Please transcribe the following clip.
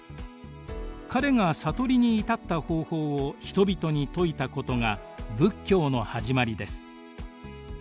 彼が悟りに至った方法を人々に説いたことが仏教のはじまりです。